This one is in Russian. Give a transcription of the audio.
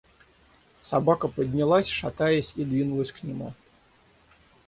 Собака поднялась шатаясь и двинулась к нему.